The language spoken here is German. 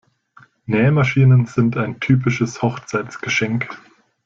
Nähmaschinen sind ein typisches Hochzeitsgeschenk.